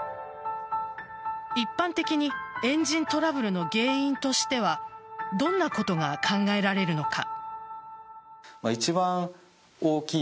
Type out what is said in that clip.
一般的にエンジントラブルの原因としてはどんなことが考えられるのか。